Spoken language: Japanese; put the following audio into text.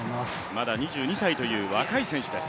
まだ２２歳という若い選手です。